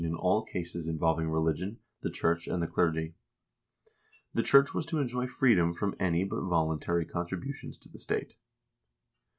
350 HISTORY OF THE NORWEGIAN PEOPLE all cases involving religion, the church, and the clergy. The church was to enjoy freedom from any but voluntary contributions to the state.